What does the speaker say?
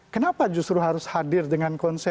kenapa justru harus hadir dengan konsep